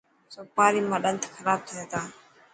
سوپاري مان ڏنت خراب ٿي تا.